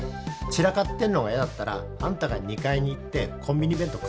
散らかってんのがやだったらあんたが２階に行ってコンビニ弁当食ってろって。